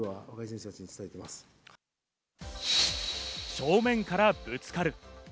正面からぶつかる。